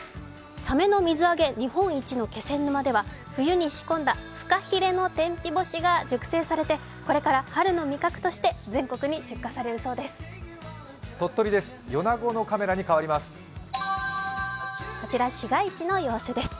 サメの水揚げ日本一の気仙沼では冬に仕込んだフカヒレの天日干しが熟成されてこれから春の味覚として全国に出荷されるそうです。